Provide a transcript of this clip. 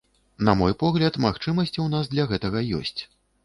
На мой погляд, магчымасці ў нас для гэтага ёсць.